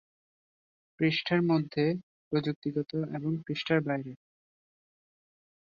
পৃষ্ঠার মধ্যে, প্রযুক্তিগত এবং পৃষ্ঠার বাইরে।